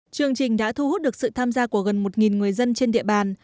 chương trình đã thu hút được sự tham gia của gần một người dân trên địa bàn